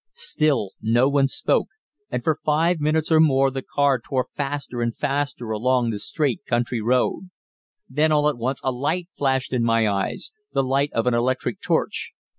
Still no one spoke, and for five minutes or more the car tore faster and faster along the straight country road. Then, all at once, a light flashed in my eyes the light of an electric torch.